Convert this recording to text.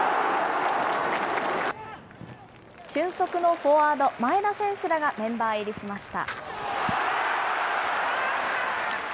俊足のフォワード、前田選手らがメンバー入りしました。